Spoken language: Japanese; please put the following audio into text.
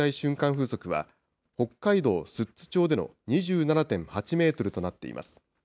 風速は、北海道寿都町で２７．８メートルとなっています。